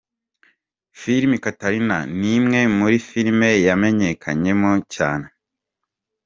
Filime Catherine ni imwe muri filime yamenyekanyemo cyane.